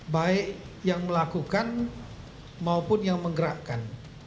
baik yang melakukan maupun yang menggerakkan